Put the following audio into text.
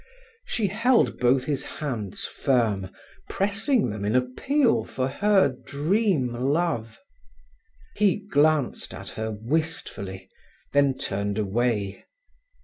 She held both his hands firm, pressing them in appeal for her dream love. He glanced at her wistfully, then turned away.